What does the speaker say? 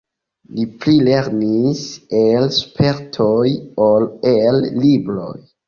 Li pli lernis el spertoj ol el libroj.